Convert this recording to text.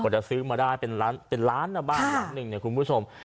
จะซื้อมาได้เป็นล้านบ้านละหนึ่งคุณผู้ชม